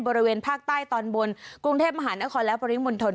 บริเวณภาคใต้ตอนบนกรุงเทพมหานครและปริมณฑล